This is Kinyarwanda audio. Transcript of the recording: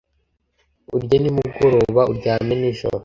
urye nimugoroba, uryame nijoro